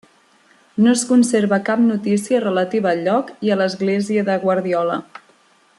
No es conserva cap notícia relativa al lloc i a l'església de Guardiola.